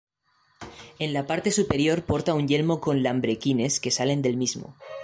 En la parte superior porta un yelmo con lambrequines que salen del mismo.